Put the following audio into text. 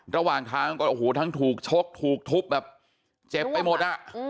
ระหว่างทางก็โอ้โหทั้งถูกชกถูกทุบแบบเจ็บไปหมดอ่ะ